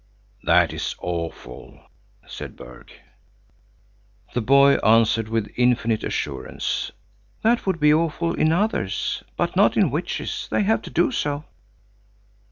"That is awful," said Berg. The boy answered with infinite assurance: "That would be awful in others, but not in witches. They have to do so."